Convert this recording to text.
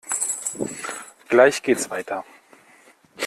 Gleich geht's weiter!